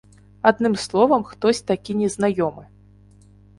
Адным словам, хтось такі незнаёмы.